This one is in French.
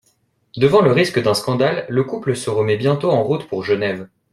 Devant le risque d'un scandale, le couple se remet bientôt en route pour Genève.